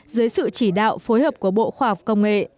dưới sự chỉ đạo phối hợp của bộ khoa học công nghệ